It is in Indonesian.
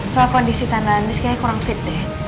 soal kondisi tante andis kayaknya kurang fit deh